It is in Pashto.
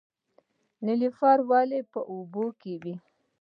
نیلوفر ولې په اوبو کې وي؟